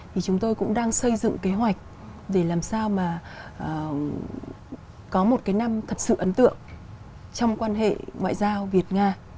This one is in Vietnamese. thì chúng tôi cũng đang xây dựng kế hoạch để làm sao mà có một cái năm thật sự ấn tượng trong quan hệ ngoại giao việt nga